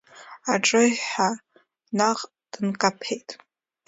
Аҽыҩҳәа наҟ дынкаԥеит.